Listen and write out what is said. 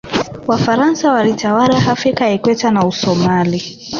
wafaransa walitawala afrika ya ikweta na usomali